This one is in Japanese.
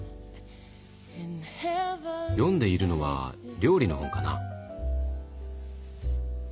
読んでいるのは料理の本かな？